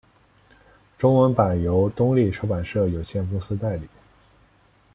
中文版由东立出版社有限公司代理。